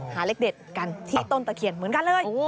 เลขเด็ดกันที่ต้นตะเคียนเหมือนกันเลย